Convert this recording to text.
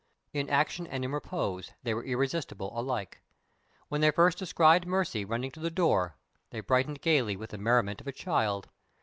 In action and in repose they were irresistible alike. When they first descried Mercy running to the door, they brightened gayly with the merriment of a child.